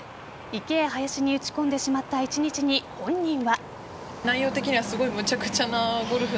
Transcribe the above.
池や林に打ち込んでしまった一日に、本人は。